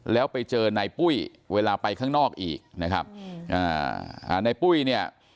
แล้วไปเจอนายปุ้ยเวลาไปข้างนอกอีกนะครับอ่าในปุ้ยเนี่ย